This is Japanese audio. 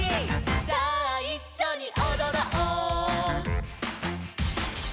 さあいっしょにおどろう」